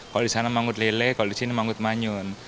kalau di sana mangut lele kalau di sini mangut manyun